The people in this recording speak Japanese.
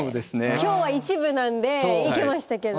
今日は一部なんでいけましたけど。